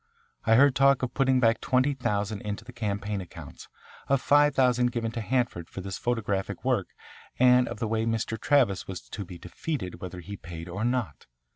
I heard talk of putting back twenty thousand into the campaign accounts, of five thousand given to Hanford for his photographic work, and of the way Mr. Travis was to be defeated whether he paid or not.